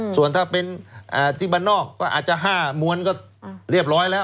ส่วนถ้าเป็นที่บ้านนอกก็อาจจะ๕มวลก็เรียบร้อยแล้ว